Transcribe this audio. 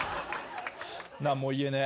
何も言えねぇ。